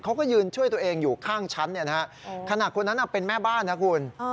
เขาก็ยืนช่วยตัวเองอยู่ข้างชั้นขณะคนนั้นเป็นแม่บ้านนะคุณ